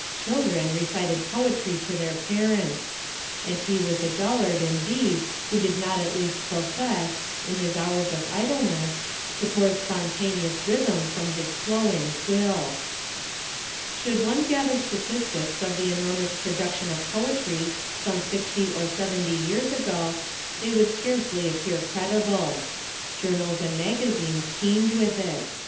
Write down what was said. Children recited poetry to their parents. And he was a dullard, indeed, who did not at least profess, in his hours of idleness, to pour spontaneous rhythm from his flowing quill. Should one gather statistics of the enormous production of poetry some sixty or seventy years ago, they would scarcely appear credible. Journals and magazines teemed with it.